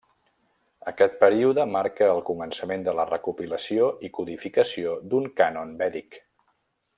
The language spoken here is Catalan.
Aquest període marca el començament de la recopilació i codificació d'un cànon vèdic.